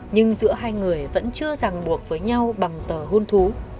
nhưng giữa hai người vẫn chưa ràng buộc với nhau bằng tờ hôn thú